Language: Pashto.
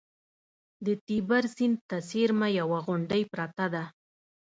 د تیبر سیند ته څېرمه یوه غونډۍ پرته ده